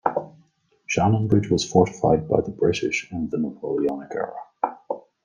Shannonbridge was fortified by the British in the Napoleonic era.